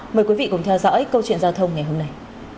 mời quý vị cùng theo dõi câu chuyện giao thông ngày hôm nay